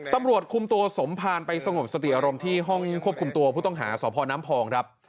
ตำรวจคุมตัวสมภารไปสงบสติอารมณ์ที่ห้องควบคุมตัวผู้ต้องหาสพน้ำพองครับ